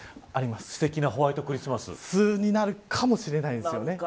すてきなホワイトクリスマス。に、なるかもしれないですね。